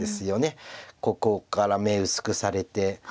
ここから眼薄くされて。